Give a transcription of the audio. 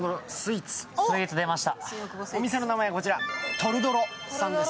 お店の名前はこちら、トルドロさんです。